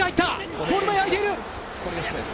ゴール前が空いている。